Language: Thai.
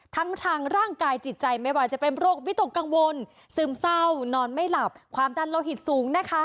ทั้งทางร่างกายจิตใจไม่ว่าจะเป็นโรควิตกกังวลซึมเศร้านอนไม่หลับความดันโลหิตสูงนะคะ